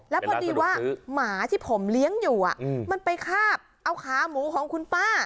แล้วพอดีว่าหมาที่ผมเลี้ยงอยู่มันไปคาบเอาขาหมูของคุณป้า